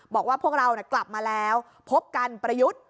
บอกว่าพวกเรากลับมาแล้วพบกันประยุทธ์